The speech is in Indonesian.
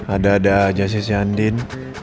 ada ada aja sih si andin